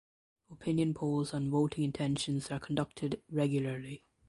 Opinion polls on voting intentions are conducted regularly.